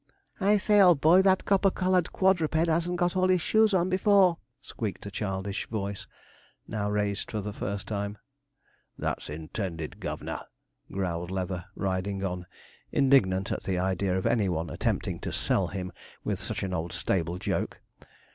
'I say, old boy, that copper coloured quadruped hasn't got all his shoes on before,' squeaked a childish voice, now raised for the first time. 'That's intended, gov'nor,' growled Leather, riding on, indignant at the idea of any one attempting to 'sell him' with such an old stable joke.